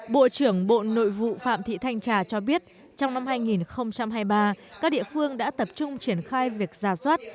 bộ trưởng bộ nội vụ phạm thị thanh trà cho biết trong năm hai nghìn hai mươi ba các địa phương đã tập trung triển khai việc giả soát